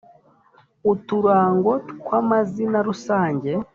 Uturango twa mazina rusange